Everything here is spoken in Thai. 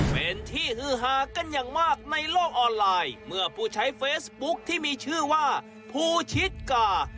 เป็นที่ฮือฮากันอย่างมากในโลกออนไลน์เมื่อผู้ใช้เฟซบุ๊คที่มีชื่อว่าภูชิกา